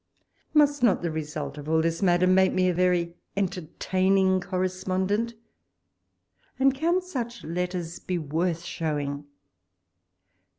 Must not the result of all this, Madam, make me a very entertaining 192 walpole's letters. correspondent ! and can such letters be worth showing?